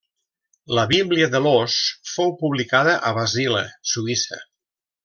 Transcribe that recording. La Bíblia de l'Ós fou publicada a Basila, Suïssa.